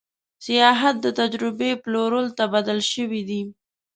سیاحت د تجربې پلور ته بدل شوی دی.